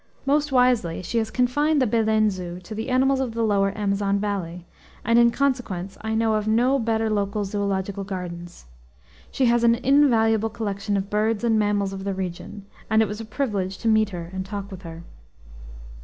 Most wisely she has confined the Belen zoo to the animals of the lower Amazon valley, and in consequence I know of no better local zoological gardens. She has an invaluable collection of birds and mammals of the region; and it was a privilege to meet her and talk with her.